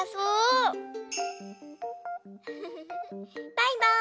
バイバーイ。